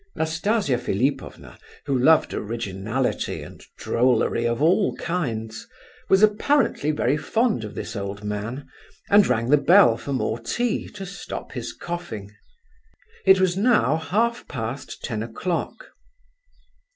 Nastasia Philipovna, who loved originality and drollery of all kinds, was apparently very fond of this old man, and rang the bell for more tea to stop his coughing. It was now half past ten o'clock.